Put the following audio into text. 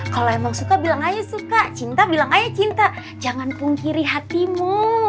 kalau emang suka bilang aja suka cinta bilang ayah cinta jangan pungkiri hatimu